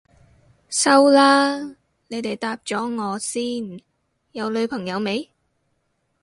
收啦，你哋答咗我先，有女朋友未？